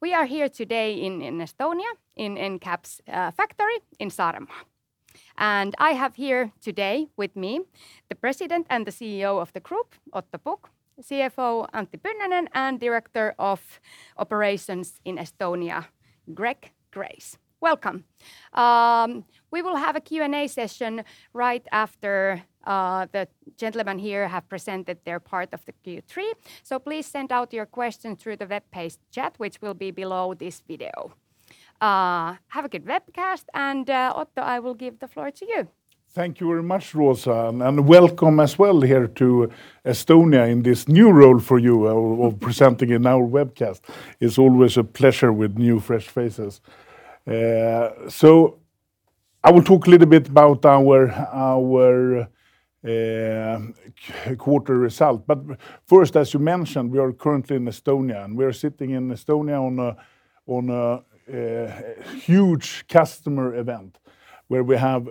We are here today in Estonia in Incap's factory in Saaremaa. I have here today with me the President and CEO of the group, Otto Pukk, CFO Antti Pynnönen, and Director of Operations in Estonia, Greg Grace. Welcome. We will have a Q&A session right after the gentlemen here have presented their part of the Q3, so please send out your questions through the webpage chat, which will be below this video. Have a good webcast and, Otto, I will give the floor to you. Thank you very much, Rosa, and welcome as well here to Estonia in this new role for you presenting in our webcast. It's always a pleasure with new, fresh faces. I will talk a little bit about our quarter result, but first, as you mentioned, we are currently in Estonia, and we are sitting in Estonia on a huge customer event where we have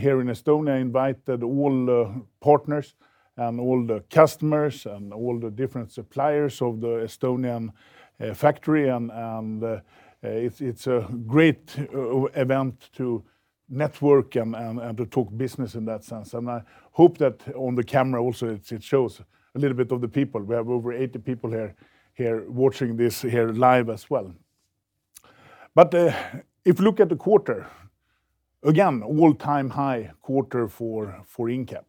here in Estonia invited all the partners and all the customers and all the different suppliers of the Estonian factory and it's a great event to network and to talk business in that sense, and I hope that on the camera also it shows a little bit of the people. We have over 80 people watching this live as well. If you look at the quarter, again, all-time high quarter for Incap.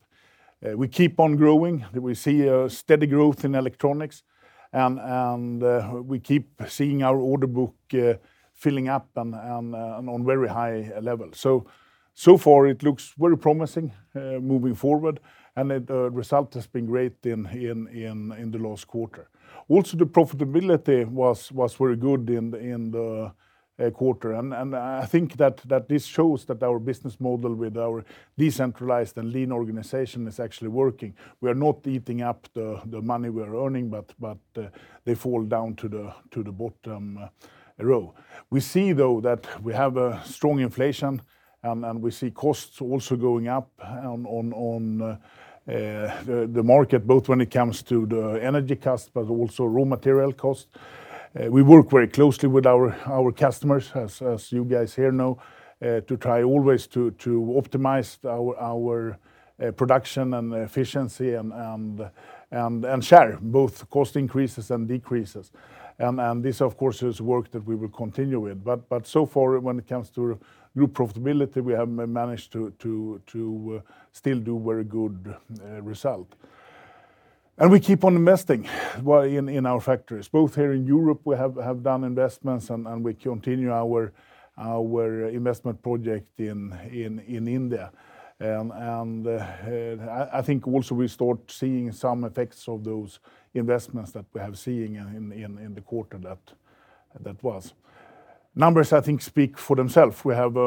We keep on growing. We see a steady growth in electronics and we keep seeing our order book filling up and on very high levels. So far it looks very promising moving forward, and the result has been great in the last quarter. Also, the profitability was very good in the quarter and I think that this shows that our business model with our decentralized and lean organization is actually working. We are not eating up the money we are earning, but they fall down to the bottom row. We see, though, that we have a strong inflation and we see costs also going up on the market, both when it comes to the energy cost, but also raw material cost. We work very closely with our customers, as you guys here know, to try always to optimize our production and efficiency and share both cost increases and decreases. This, of course, is work that we will continue with. So far when it comes to group profitability, we have managed to still do very good result. We keep on investing in our factories. Both here in Europe we have done investments and we continue our investment project in India. I think also we start seeing some effects of those investments that we have seen in the quarter. Numbers, I think, speak for themselves. We have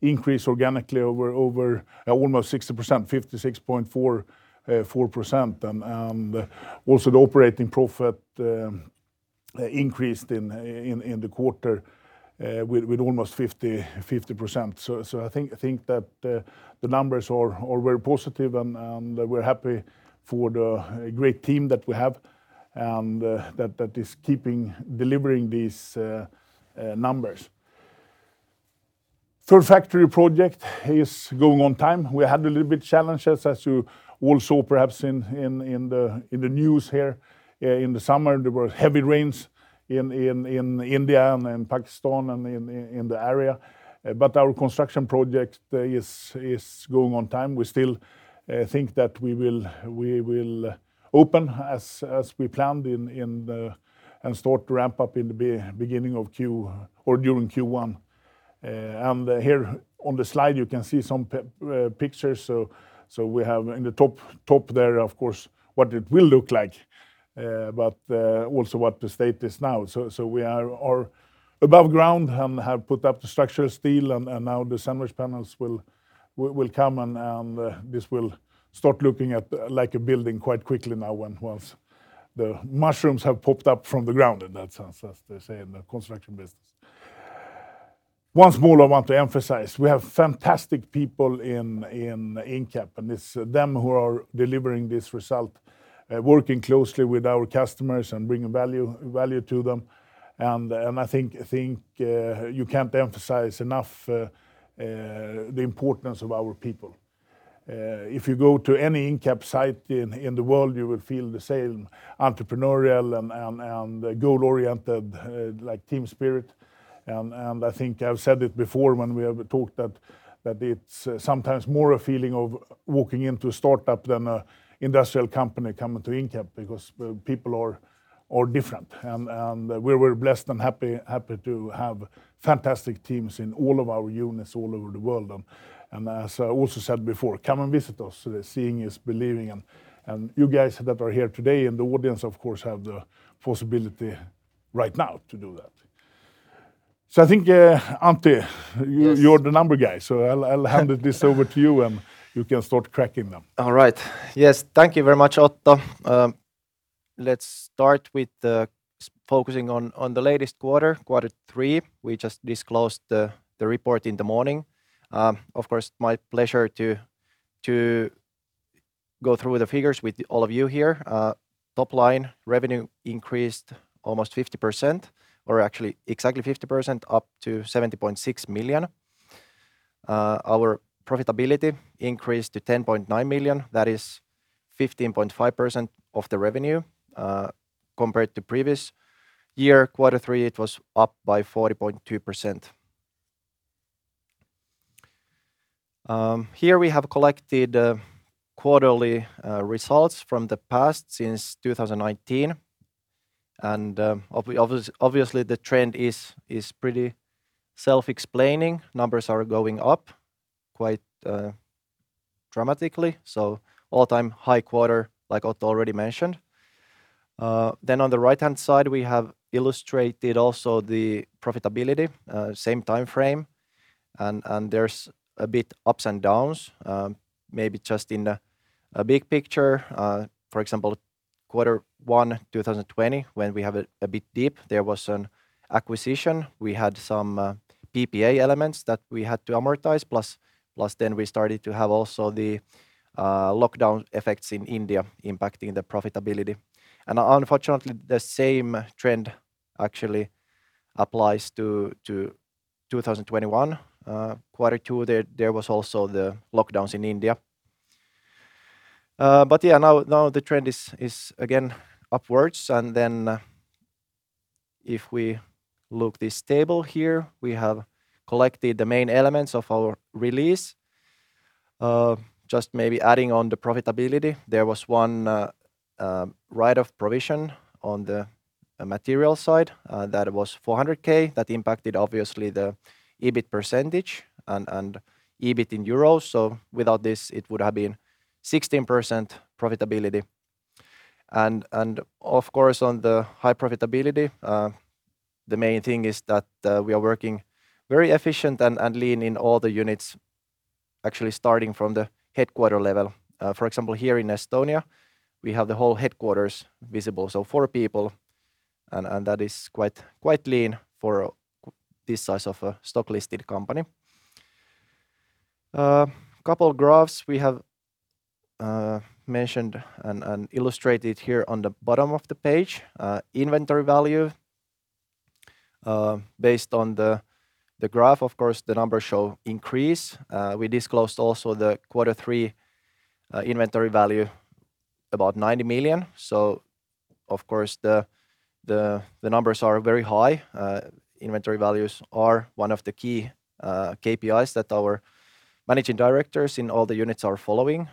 increased organically over almost 60%, 56.4%, and also the operating profit increased in the quarter with almost 50%. I think that the numbers are very positive and we're happy for the great team that we have and that is keeping delivering these numbers. Third factory project is going on time. We had a little bit challenges as you all saw perhaps in the news here. In the summer there were heavy rains in India and in Pakistan and in the area, but our construction project is going on time. We still think that we will open as we planned and start ramp up in the beginning of Q1 or during Q1. Here on the slide, you can see some pictures, so we have in the top there, of course, what it will look like, but also what the state is now. We are above ground and have put up the structural steel and now the sandwich panels will come and this will start looking like a building quite quickly now once the mushrooms have popped up from the ground in that sense, as they say in the construction business. Once more, I want to emphasize we have fantastic people in Incap, and it's them who are delivering this result, working closely with our customers and bringing value to them. I think you can't emphasize enough the importance of our people. If you go to any Incap site in the world, you will feel the same entrepreneurial and goal-oriented like team spirit. I think I've said it before when we have talked that it's sometimes more a feeling of walking into a startup than an industrial company coming to Incap because people are different and we're very blessed and happy to have fantastic teams in all of our units all over the world. As I also said before, come and visit us. Seeing is believing and you guys that are here today in the audience, of course, have the possibility right now to do that. I think Antti. You, you're the number guy, so I'll hand this over to you, and you can start cracking them. All right. Yes. Thank you very much, Otto. Let's start with focusing on the latest quarter three. We just disclosed the report in the morning. Of course, my pleasure to go through the figures with all of you here. Top line revenue increased almost 50%, or actually exactly 50% up to 70.6 million. Our profitability increased to 10.9 million, that is 15.5% of the revenue, compared to previous year quarter three, it was up by 40.2%. Here we have collected quarterly results from the past since 2019. Obviously the trend is pretty self-explaining. Numbers are going up quite dramatically. All-time high quarter, like Otto already mentioned. Then on the right-hand side, we have illustrated also the profitability, same timeframe, and there's a bit ups and downs. Maybe just in a big picture, for example, quarter one, 2020, when we have a bit dip, there was an acquisition. We had some PPA elements that we had to amortize, plus then we started to have also the lockdown effects in India impacting the profitability. Unfortunately, the same trend actually applies to 2021. Quarter two, there was also the lockdowns in India. Yeah, now the trend is again upwards. If we look at this table here, we have collected the main elements of our release. Just maybe adding on the profitability, there was one write-off provision on the material side that was 400K. That impacted obviously the EBIT percentage and EBIT in euros. Without this, it would have been 16% profitability. Of course, on the high profitability, the main thing is that we are working very efficient and lean in all the units, actually starting from the headquarters level. For example, here in Estonia, we have the whole headquarters visible. Four people, and that is quite lean for this size of a stock-listed company. A couple graphs we have mentioned and illustrated here on the bottom of the page. Inventory value based on the graph, of course, the numbers show increase. We disclosed also the quarter three inventory value about 90 million. Of course, the numbers are very high. Inventory values are one of the key KPIs that our managing directors in all the units are following.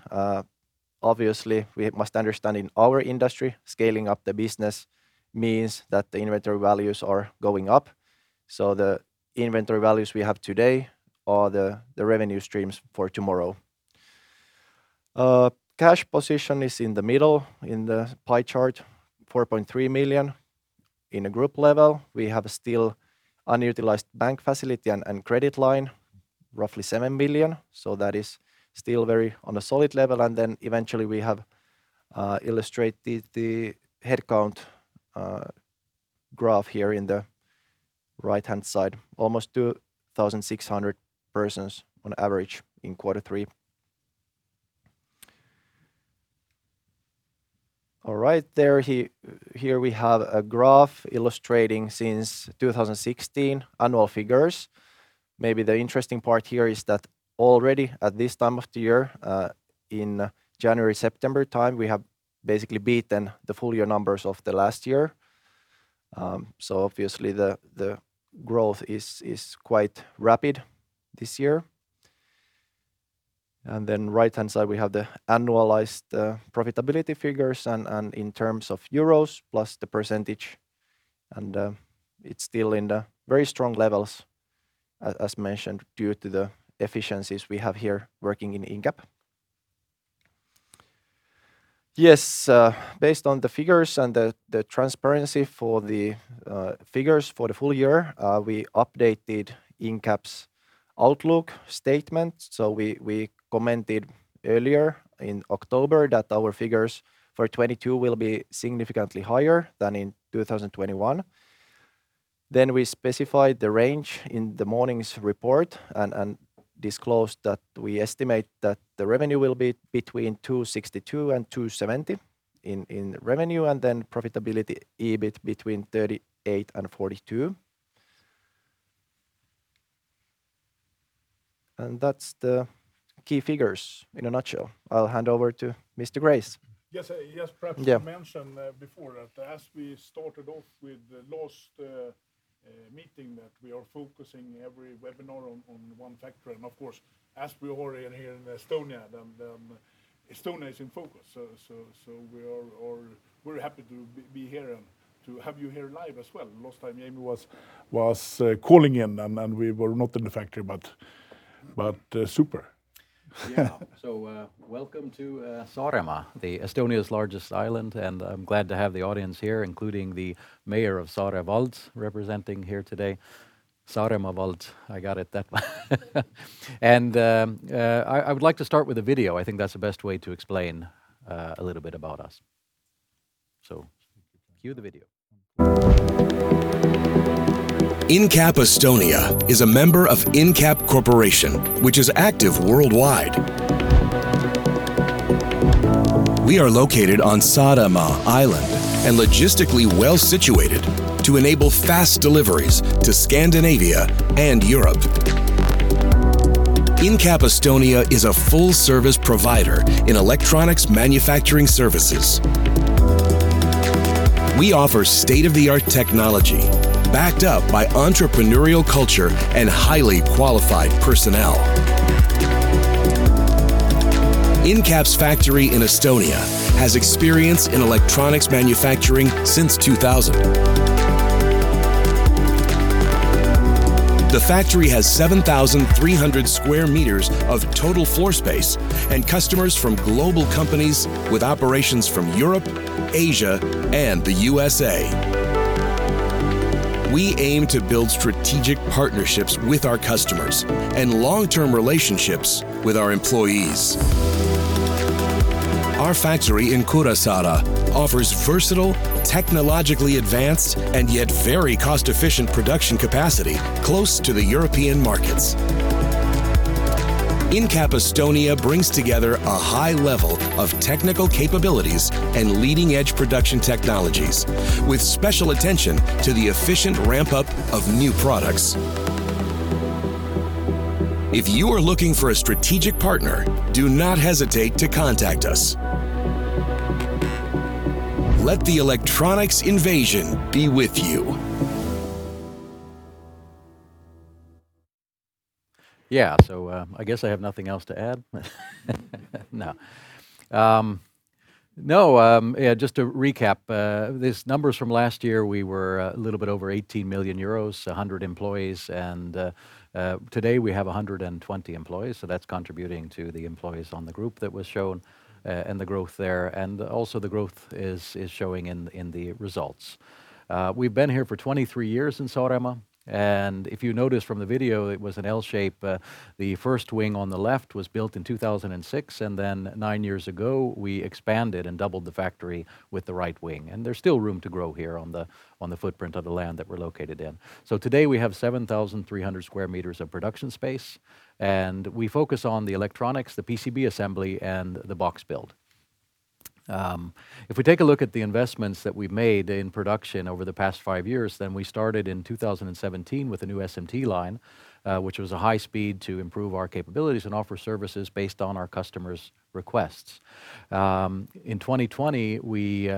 Obviously, we must understand in our industry, scaling up the business means that the inventory values are going up. The inventory values we have today are the revenue streams for tomorrow. Cash position is in the middle in the pie chart, 4.3 million in a group level. We have still unutilized bank facility and credit line, roughly 7 million. That is still very on a solid level, and then eventually we have illustrated the headcount graph here in the right-hand side, almost 2,600 persons on average in quarter three. All right. Here we have a graph illustrating since 2016 annual figures. Maybe the interesting part here is that already at this time of the year, in January-September time, we have basically beaten the full year numbers of the last year. Obviously the growth is quite rapid this year. Right-hand side, we have the annualized profitability figures and in terms of euros plus the percentage. It's still in the very strong levels as mentioned, due to the efficiencies we have here working in Incap. Based on the figures and the transparency for the figures for the full year, we updated Incap's outlook statement. We commented earlier in October that our figures for 2022 will be significantly higher than in 2021. We specified the range in the morning's report and disclosed that we estimate that the revenue will be between 262 million and 270 million, and then profitability EBIT between 38 million and 42 million. That's the key figures in a nutshell. I'll hand over to Mr. Grace. Yes. Yeah. Perhaps mention before that as we started off with the last meeting that we are focusing every webinar on one factor. Of course, as we already are here in Estonia is in focus. We are very happy to be here and to have you here live as well. Last time Jamie was calling in and we were not in the factory, but super. Yeah. Welcome to Saaremaa, Estonia's largest island, and I'm glad to have the audience here, including the mayor of Saaremaa vald representing here today. Saaremaa vald, I got it that time. I would like to start with a video. I think that's the best way to explain a little bit about us. Cue the video. Incap Estonia is a member of Incap Corporation, which is active worldwide. We are located on Saaremaa Island and logistically well-situated to enable fast deliveries to Scandinavia and Europe. Incap Estonia is a full-service provider in electronics manufacturing services. We offer state-of-the-art technology backed up by entrepreneurial culture and highly qualified personnel. Incap's factory in Estonia has experience in electronics manufacturing since 2000. The factory has 7,300 square meters of total floor space and customers from global companies with operations from Europe, Asia, and the USA. We aim to build strategic partnerships with our customers and long-term relationships with our employees. Our factory in Kuressaare offers versatile, technologically advanced, and yet very cost-efficient production capacity close to the European markets. Incap Estonia brings together a high level of technical capabilities and leading-edge production technologies with special attention to the efficient ramp-up of new products. If you are looking for a strategic partner, do not hesitate to contact us. Let the electronics invasion be with you. Yeah. I guess I have nothing else to add. No. Yeah, just to recap, these numbers from last year, we were a little bit over 18 million euros, 100 employees, and today we have 120 employees, so that's contributing to the employees on the group that was shown, and the growth there, and also the growth is showing in the results. We've been here for 23 years in Saaremaa, and if you notice from the video, it was an L shape. The first wing on the left was built in 2006, and then nine years ago, we expanded and doubled the factory with the right wing, and there's still room to grow here on the footprint of the land that we're located in. Today we have 7,300 square meters of production space, and we focus on the electronics, the PCB assembly, and the box build. If we take a look at the investments that we've made in production over the past five years, then we started in 2017 with a new SMT line, which was a high speed to improve our capabilities and offer services based on our customers' requests. In 2020, we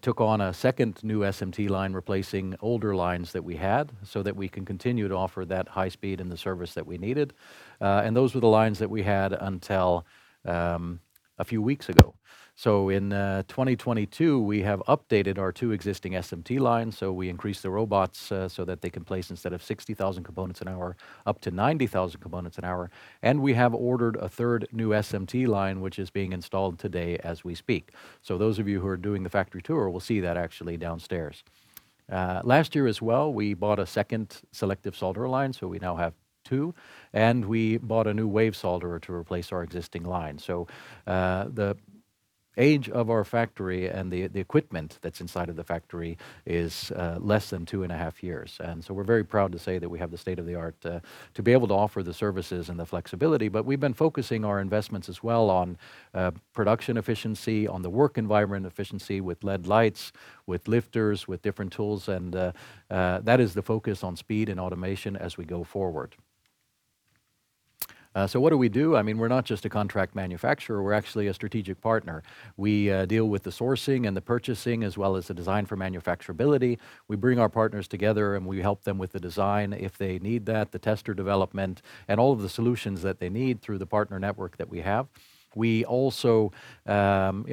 took on a second new SMT line replacing older lines that we had so that we can continue to offer that high speed and the service that we needed. Those were the lines that we had until a few weeks ago. In 2022, we have updated our two existing SMT lines, so we increased the robots, so that they can place instead of 60,000 components an hour, up to 90,000 components an hour. We have ordered a third new SMT line, which is being installed today as we speak. Those of you who are doing the factory tour will see that actually downstairs. Last year as well, we bought a second selective solder line, so we now have two, and we bought a new wave solder to replace our existing line. The age of our factory and the equipment that's inside of the factory is less than 2.5 years. We're very proud to say that we have the state-of-the-art to be able to offer the services and the flexibility. We've been focusing our investments as well on production efficiency, on the work environment efficiency with LED lights, with lifters, with different tools, and that is the focus on speed and automation as we go forward. What do we do? I mean, we're not just a contract manufacturer. We're actually a strategic partner. We deal with the sourcing and the purchasing, as well as the design for manufacturability. We bring our partners together, and we help them with the design if they need that, the tester development, and all of the solutions that they need through the partner network that we have. We also, you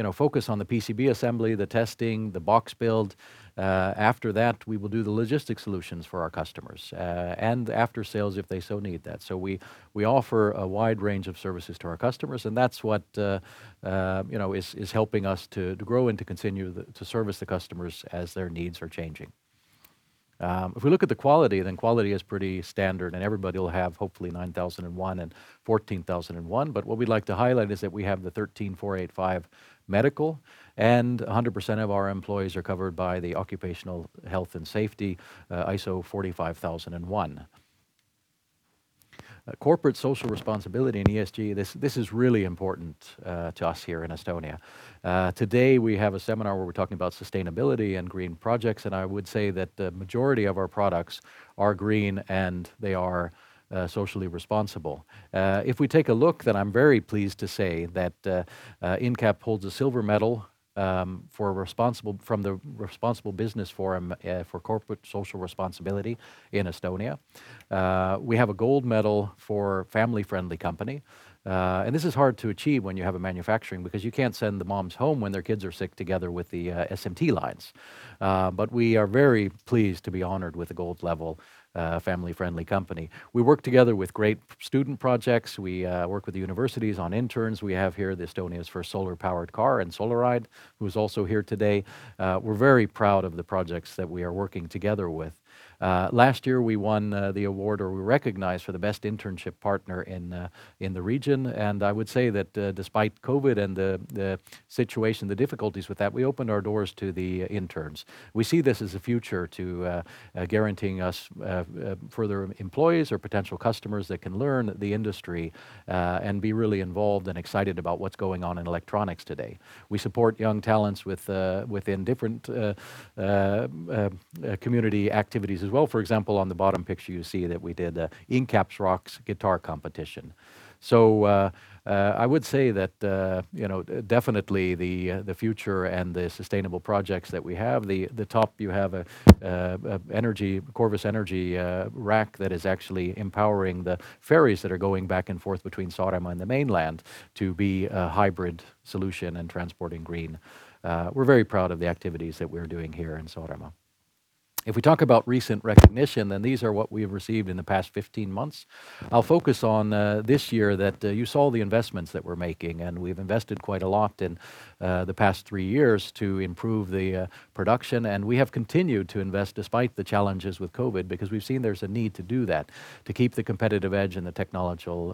know, focus on the PCB assembly, the testing, the box build. After that, we will do the logistics solutions for our customers, and after-sales if they so need that. We offer a wide range of services to our customers, and that's what you know is helping us to grow and to continue to service the customers as their needs are changing. If we look at the quality, then quality is pretty standard, and everybody will have hopefully ISO 9001 and ISO 14001. But what we'd like to highlight is that we have the ISO 13485 medical, and 100% of our employees are covered by the Occupational Health and Safety ISO 45001. Corporate social responsibility and ESG, this is really important to us here in Estonia. Today we have a seminar where we're talking about sustainability and green projects, and I would say that the majority of our products are green, and they are socially responsible. If we take a look, then I'm very pleased to say that Incap holds a silver medal from the Responsible Business Forum Estonia for corporate social responsibility in Estonia. We have a gold medal for family-friendly company. This is hard to achieve when you have a manufacturing because you can't send the moms home when their kids are sick together with the SMT lines. We are very pleased to be honored with a gold-level family-friendly company. We work together with great student projects. We work with universities on interns. We have here Estonia's first solar-powered car and Solaride, who's also here today. We're very proud of the projects that we are working together with. Last year we won the award, or we were recognized for the best internship partner in the region. I would say that, despite COVID and the situation, the difficulties with that, we opened our doors to the interns. We see this as a future to guaranteeing us further employees or potential customers that can learn the industry and be really involved and excited about what's going on in electronics today. We support young talents within different community activities as well. For example, on the bottom picture you see that we did a Incap's Rocks guitar competition. I would say that, you know, definitely the future and the sustainable projects that we have. At the top, you have a Corvus Energy rack that is actually empowering the ferries that are going back and forth between Saaremaa and the mainland to be a hybrid solution and transporting green. We're very proud of the activities that we're doing here in Saaremaa. If we talk about recent recognition, then these are what we have received in the past 15 months. I'll focus on this year that you saw the investments that we're making, and we've invested quite a lot in the past three years to improve the production. We have continued to invest despite the challenges with COVID, because we've seen there's a need to do that to keep the competitive edge and the technological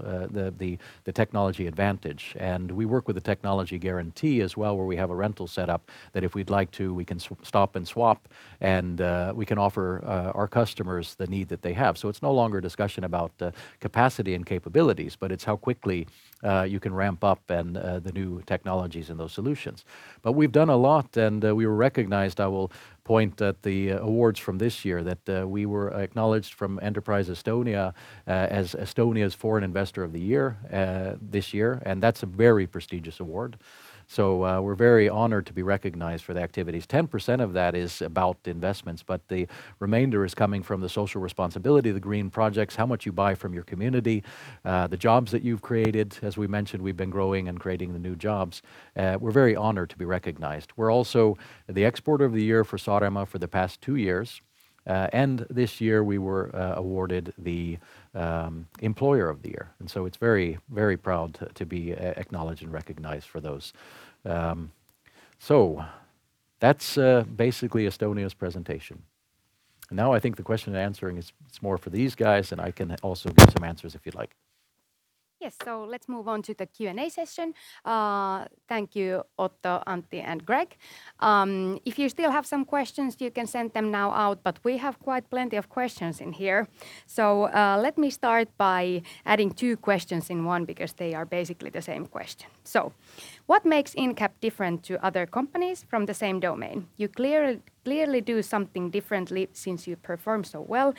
advantage. We work with a technology guarantee as well, where we have a rental set up that if we'd like to, we can stop and swap and we can offer our customers the need that they have. It's no longer a discussion about capacity and capabilities, but it's how quickly you can ramp up and the new technologies and those solutions. We've done a lot, and we were recognized. I will point at the awards from this year that we were acknowledged from Enterprise Estonia as Estonia's Foreign Investor of the Year this year, and that's a very prestigious award. We're very honored to be recognized for the activities. 10% of that is about investments, but the remainder is coming from the social responsibility, the green projects, how much you buy from your community, the jobs that you've created. As we mentioned, we've been growing and creating the new jobs. We're very honored to be recognized. We're also the Exporter of the Year for Saaremaa for the past two years. This year we were awarded the Employer of the Year, and so it's very, very proud to be acknowledged and recognized for those. That's basically Estonia's presentation. Now I think the question and answering is more for these guys, and I can also give some answers if you'd like. Yes. Let's move on to the Q&A session. Thank you, Otto, Antti, and Greg. If you still have some questions, you can send them out now, but we have quite plenty of questions in here. Let me start by adding two questions in one because they are basically the same question. What makes Incap different to other companies from the same domain? You clearly do something differently since you perform so well.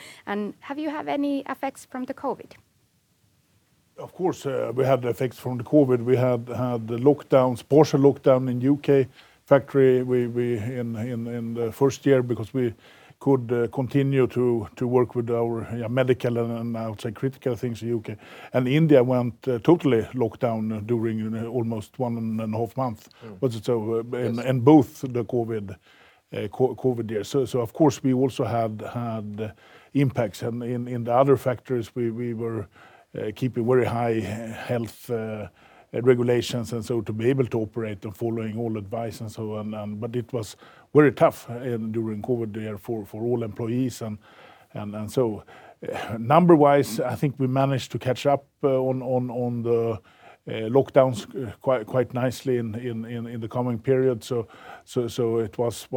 Have you had any effects from the COVID? Of course, we had the effects from the COVID. We had the lockdowns, partial lockdown in U.K. factory. In the first year because we could continue to work with our medical and I would say critical things in U.K. India went total lockdown during almost 1.5 months. Yes. In both the COVID years. Of course, we also have had impacts. In the other factories we were keeping very high health regulations and so to be able to operate and following all advice and so on. It was very tough during COVID year for all employees and so number wise, I think we managed to catch up on the lockdowns quite nicely in the coming period. It was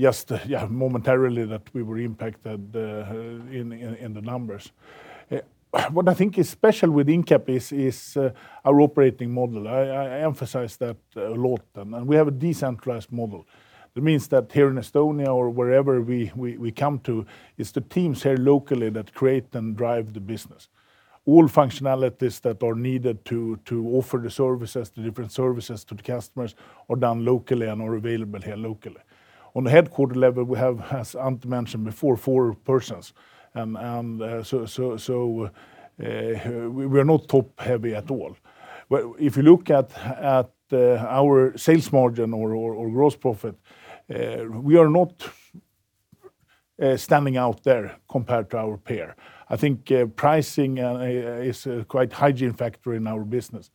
just yeah momentarily that we were impacted in the numbers. What I think is special with Incap is our operating model. I emphasize that a lot. We have a decentralized model. That means that here in Estonia or wherever we come to, it's the teams here locally that create and drive the business. All functionalities that are needed to offer the services, the different services to the customers are done locally and are available here locally. On the headquarters level, we have, as Antti mentioned before, four persons. We're not top heavy at all. If you look at our sales margin or gross profit, we are not standing out there compared to our peer. I think pricing is a quite hygiene factor in our business.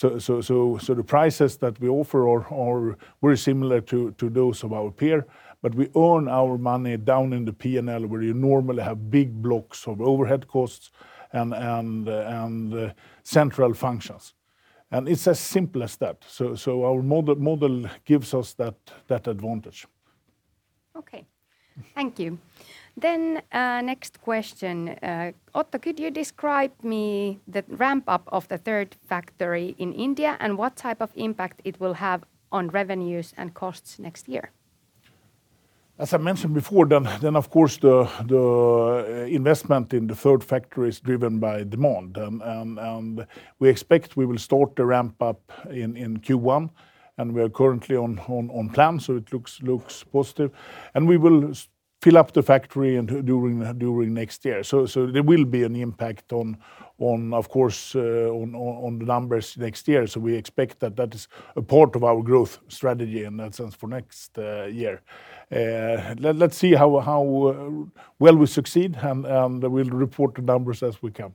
The prices that we offer are very similar to those of our peer, but we earn our money down in the P&L where you normally have big blocks of overhead costs and central functions. It's as simple as that. Our model gives us that advantage. Okay. Thank you. Next question. Otto, could you describe me the ramp up of the third factory in India and what type of impact it will have on revenues and costs next year? As I mentioned before, then of course the investment in the third factory is driven by demand. We expect we will start the ramp up in Q1, and we are currently on plan, so it looks positive. We will fill up the factory during next year. There will be an impact on, of course, the numbers next year. We expect that is a part of our growth strategy in that sense for next year. Let's see how well we succeed and we'll report the numbers as we can.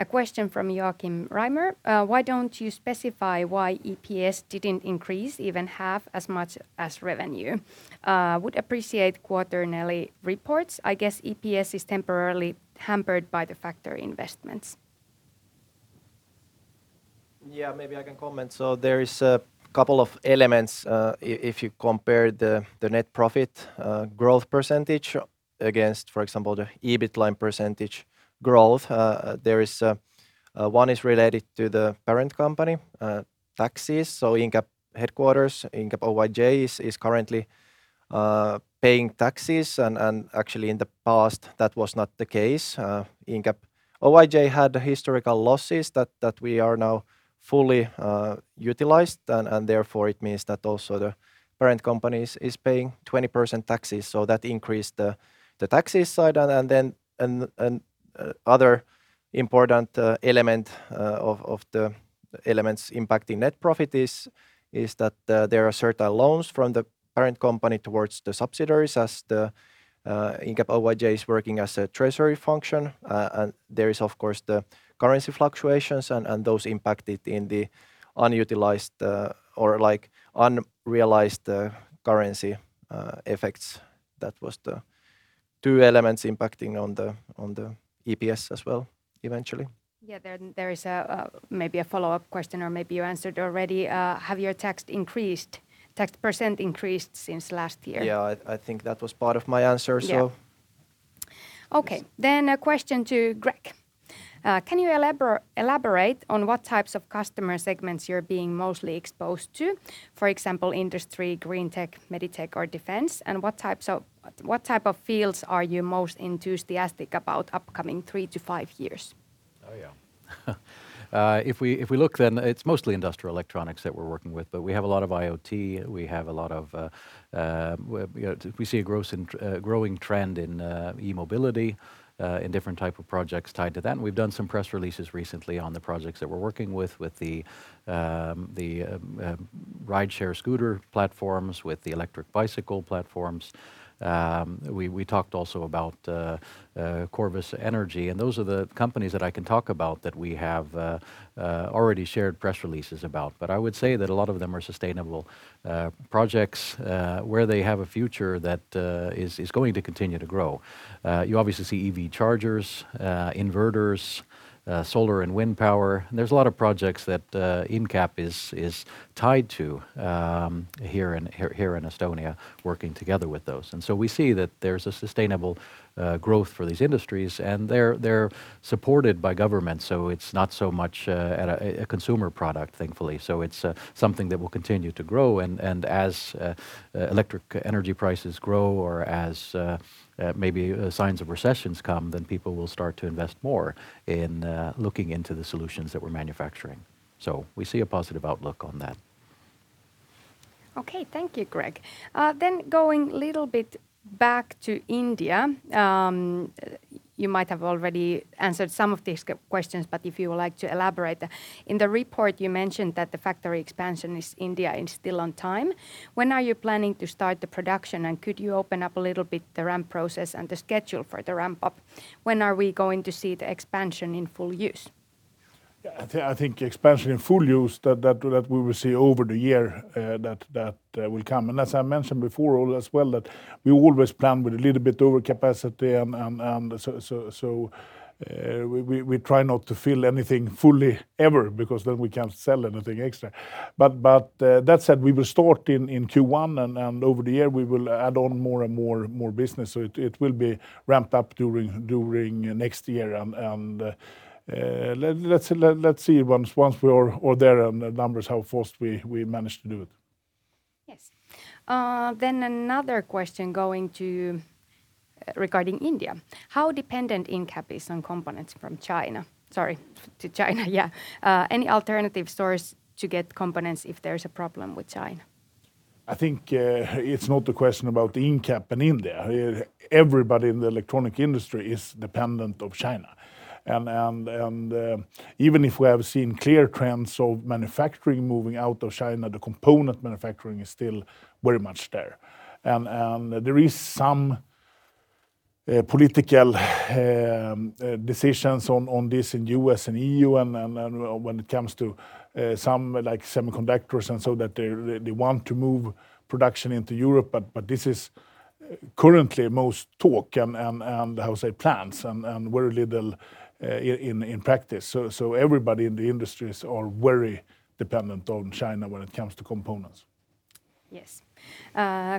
A question from Joachim Reimer. "Why don't you specify why EPS didn't increase even half as much as revenue? Would appreciate quarterly reports. I guess EPS is temporarily hampered by the factory investments." Yeah, maybe I can comment. There is a couple of elements, if you compare the net profit growth percentage against, for example, the EBIT line percentage growth. There is one related to the parent company taxes. Incap headquarters, Incap Oyj is currently paying taxes and actually in the past that was not the case. Incap Oyj had historical losses that we are now fully utilized and therefore it means that also the parent company is paying 20% taxes, so that increased the taxes side. Then other important element of the elements impacting net profit is that there are certain loans from the parent company towards the subsidiaries as Incap Oyj is working as a treasury function. There is of course the currency fluctuations and those impacting the unrealized currency effects. That was the two elements impacting on the EPS as well eventually. Yeah. There is maybe a follow-up question or maybe you answered already. Have your tax percent increased since last year? Yeah. I think that was part of my answer, so. Yeah. Okay. A question to Greg Grace. Can you elaborate on what types of customer segments you're being mostly exposed to? For example, industry, green tech, med tech or defense, and what types of what type of fields are you most enthusiastic about upcoming three-five years? Oh, yeah. If we look, then it's mostly industrial electronics that we're working with, but we have a lot of IoT, you know, we see a growing trend in e-mobility, in different type of projects tied to that, and we've done some press releases recently on the projects that we're working with the rideshare scooter platforms, with the electric bicycle platforms. We talked also about Corvus Energy, and those are the companies that I can talk about that we have already shared press releases about. I would say that a lot of them are sustainable projects, where they have a future that is going to continue to grow. You obviously see EV chargers, inverters, solar and wind power, and there's a lot of projects that Incap is tied to here in Estonia working together with those. We see that there's a sustainable growth for these industries, and they're supported by government, so it's not so much at a consumer product, thankfully. It's something that will continue to grow and as electric energy prices grow or as maybe signs of recessions come, then people will start to invest more in looking into the solutions that we're manufacturing. We see a positive outlook on that. Okay. Thank you, Greg. Going a little bit back to India, you might have already answered some of these questions, but if you would like to elaborate. In the report you mentioned that the factory expansion in India is still on time. When are you planning to start the production, and could you open up a little bit the ramp process and the schedule for the ramp-up? When are we going to see the expansion in full use? Yeah. I think expansion and full use that we will see over the year that will come. I mentioned before as well that we always plan with a little bit over capacity and so we try not to fill anything fully ever because then we can't sell anything extra. That said, we will start in Q1 and over the year we will add on more and more business. It will be ramped up during next year and let's see once we are all there on the numbers how fast we manage to do it. Yes. Another question regarding India. How dependent Incap is on components from China? Any alternative source to get components if there's a problem with China? I think it's not a question about Incap and India. Everybody in the electronics industry is dependent on China and even if we have seen clear trends of manufacturing moving out of China, the component manufacturing is still very much there. There is some political decisions on this in U.S. and EU and when it comes to some like semiconductors and so that they want to move production into Europe, but this is currently mostly talk and I would say plans and very little in practice. Everybody in the industries are very dependent on China when it comes to components. Yes.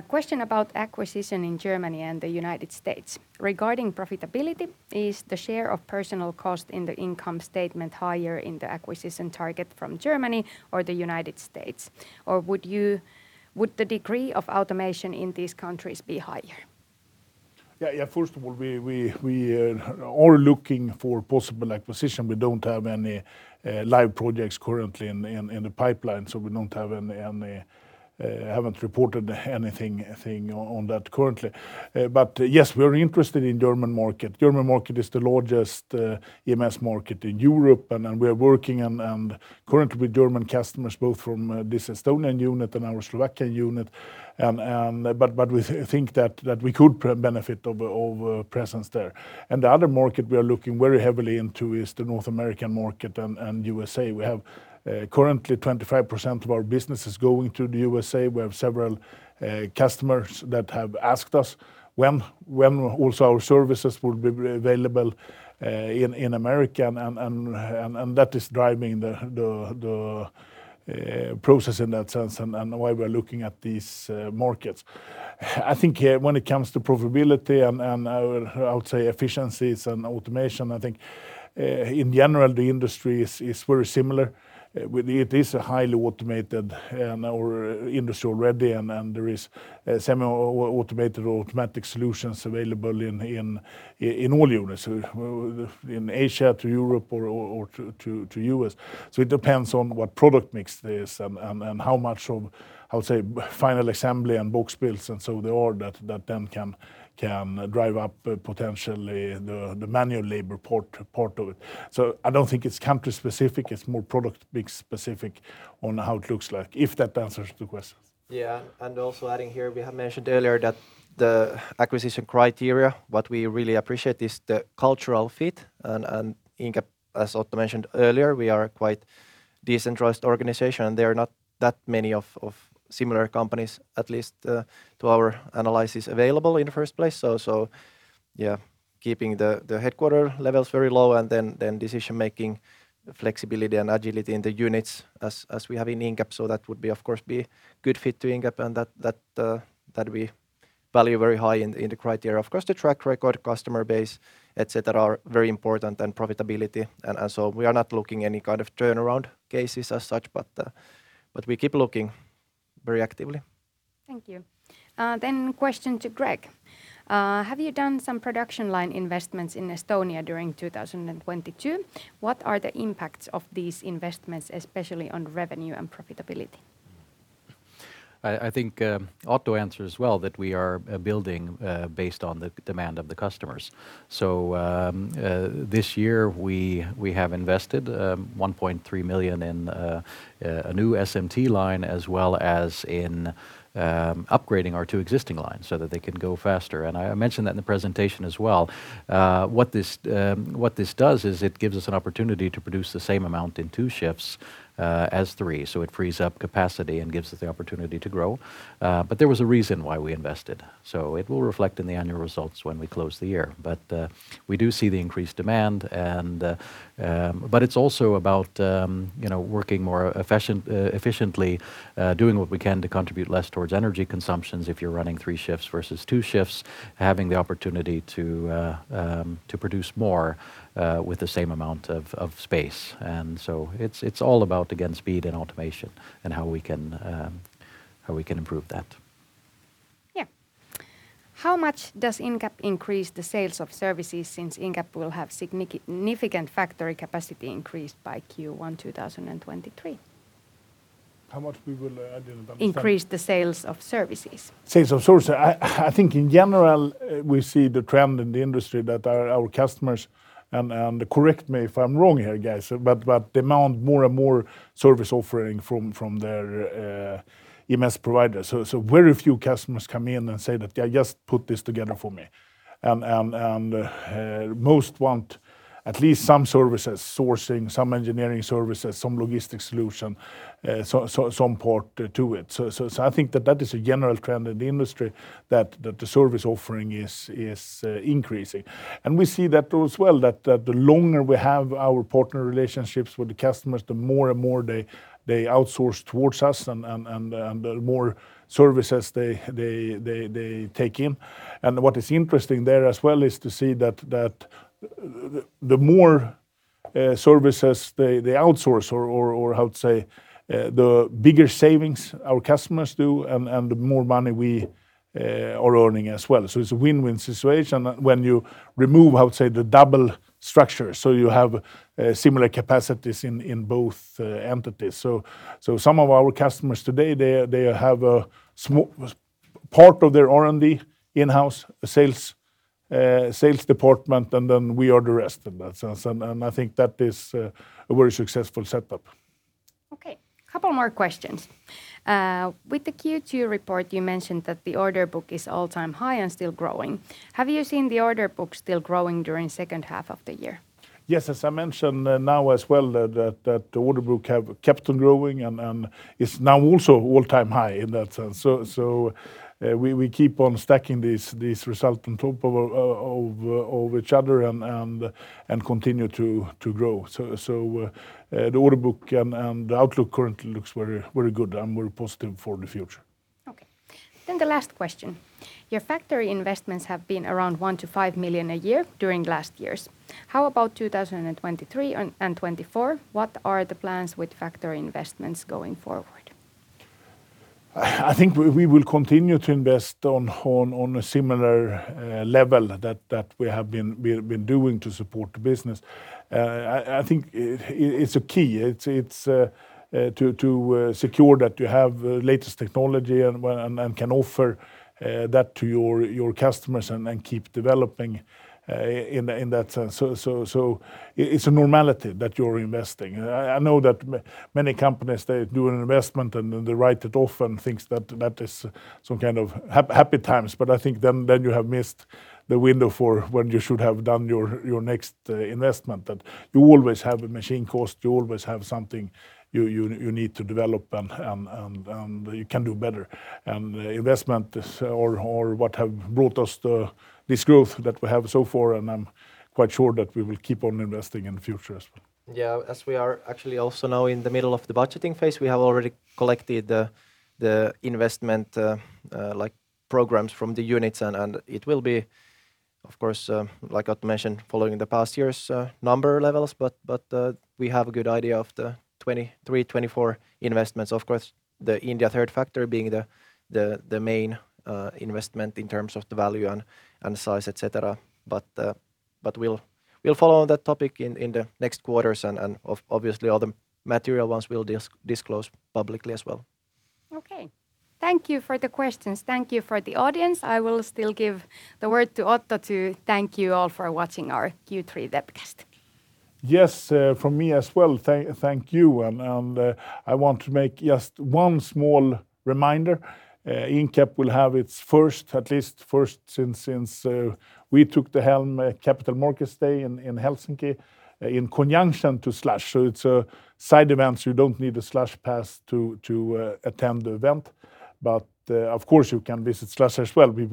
Question about acquisition in Germany and the United States. Regarding profitability, is the share of personnel cost in the income statement higher in the acquisition target from Germany or the United States? Would the degree of automation in these countries be higher? First of all, we are looking for possible acquisition. We don't have any live projects currently in the pipeline, so we haven't reported anything on that currently. Yes, we are interested in the German market. The German market is the largest EMS market in Europe, and we are working currently with German customers both from this Estonian unit and our Slovakian unit. We think that we could benefit from a presence there. The other market we are looking very heavily into is the North American market and USA. We have currently 25% of our business going to the USA. We have several customers that have asked us when also our services will be available in America and that is driving the process in that sense and why we are looking at these markets. I think when it comes to profitability and our I would say efficiencies and automation, I think in general the industry is very similar. It is a highly automated industry already and there is semi-automated or automatic solutions available in all units. So in Asia to Europe or to U.S. It depends on what product mix it is and how much of, say, final assembly and box builds and so they all that then can drive up potentially the manual labor part of it. I don't think it's country specific. It's more product mix specific on how it looks like. If that answers the questions? Yeah. Also adding here, we have mentioned earlier that the acquisition criteria, what we really appreciate is the cultural fit and Incap, as Otto mentioned earlier, we are quite decentralized organization. There are not that many similar companies at least, to our analysis available in the first place, so yeah, keeping the headquarters levels very low and then decision-making flexibility and agility in the units as we have in Incap. That would be, of course, good fit to Incap and that we value very high in the criteria. Of course, the track record, customer base, et cetera, are very important and profitability and so we are not looking any kind of turnaround cases as such, but we keep looking very actively. Thank you. Question to Greg. Have you done some production line investments in Estonia during 2022? What are the impacts of these investments, especially on revenue and profitability? I think Otto answered as well that we are building based on the demand of the customers. This year we have invested 1.3 million in a new SMT line as well as in upgrading our two existing lines so that they can go faster, and I mentioned that in the presentation as well. What this does is it gives us an opportunity to produce the same amount in two shifts as three, so it frees up capacity and gives us the opportunity to grow. There was a reason why we invested, so it will reflect in the annual results when we close the year. We do see the increased demand and. It's also about, you know, working more efficiently, doing what we can to contribute less towards energy consumptions if you're running three shifts versus two shifts, having the opportunity to produce more with the same amount of space. It's all about, again, speed and automation and how we can improve that. Yeah. How much does Incap increase the sales of services since Incap will have significant factory capacity increased by Q1 2023? I didn't understand. Increase the sales of services. Sales of services. I think in general, we see the trend in the industry that our customers, and correct me if I'm wrong here, guys, but demand more and more service offering from their EMS provider. Very few customers come in and say that, "Yeah, just put this together for me." Most want at least some services sourcing, some engineering services, some logistic solution, some part to it. I think that that is a general trend in the industry that the service offering is increasing. We see that as well, that the longer we have our partner relationships with the customers, the more and more they outsource towards us and the more services they take in. What is interesting there as well is to see that the more services they outsource the bigger savings our customers do and the more money we are earning as well. It's a win-win situation when you remove the double structure, so you have similar capacities in both entities. Some of our customers today, they have a small part of their R&D in-house sales department, and then we are the rest in that sense, and I think that is a very successful setup. Okay. Couple more questions. With the Q2 report, you mentioned that the order book is all-time high and still growing. Have you seen the order book still growing during H2 of the year? Yes. As I mentioned now as well, that the order book have kept on growing and is now also all-time high in that sense. We keep on stacking these results on top of each other and continue to grow. The order book and the outlook currently looks very, very good and we're positive for the future. Okay. The last question. Your factory investments have been around 1-5 million a year during last years. How about 2023 and 2024? What are the plans with factory investments going forward? I think we will continue to invest in a similar level that we have been doing to support the business. I think it's a key to secure that you have the latest technology and can offer that to your customers and keep developing in that sense. It's a normality that you're investing. I know that many companies, they do an investment and then they write it off and thinks that that is some kind of happy times. I think then you have missed the window for when you should have done your next investment that you always have a machine cost. You always have something you need to develop and you can do better. Investment is what have brought us this growth that we have so far, and I'm quite sure that we will keep on investing in the future as well. Yeah. As we are actually also now in the middle of the budgeting phase, we have already collected the investment like programs from the units and it will be of course, like Otto mentioned, following the past years' number levels. We have a good idea of the 2023, 2024 investments. Of course, the India third factory being the main investment in terms of the value and size, et cetera. We'll follow that topic in the next quarters and obviously all the material ones we'll disclose publicly as well. Okay. Thank you for the questions. Thank you for the audience. I will still give the word to Otto to thank you all for watching our Q3 webcast. Yes, from me as well, thank you. I want to make just one small reminder. Incap will have its first, at least first since we took the helm, Capital Markets Day in Helsinki in conjunction with Slush. It's a side event, so you don't need a Slush pass to attend the event, but of course you can visit Slush as well. We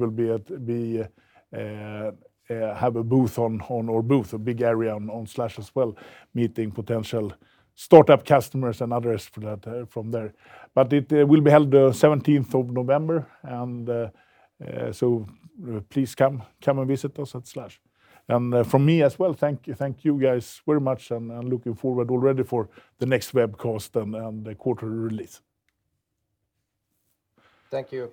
have a booth on our booth, a big area on Slush as well, meeting potential startup customers and others for that from there. It will be held the 17th of November, so please come and visit us at Slush. From me as well, thank you. Thank you guys very much, and I'm looking forward already for the next webcast and the quarter release. Thank you.